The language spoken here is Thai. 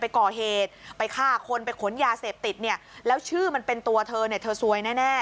ไปก่อเหตุไปฆ่าคนไปขนยาเสพติดเนี่ยแล้วชื่อมันเป็นตัวเธอเนี่ยเธอซวยแน่